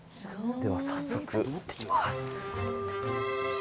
では早速行ってきます。